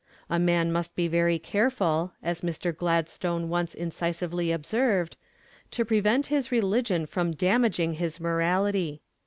A man must be very careful, as Mr. Gladstone once incisively observed, to prevent his religion from damaging his morality.